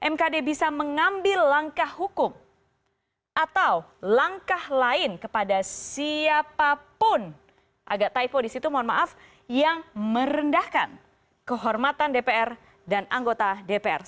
mkd bisa mengambil langkah hukum atau langkah lain kepada siapapun agak typo disitu mohon maaf yang merendahkan kehormatan dpr dan anggota dpr